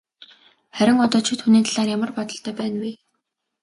Харин одоо чи түүний талаар ямар бодолтой байна вэ?